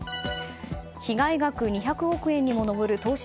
被害額２００億円にも上る投資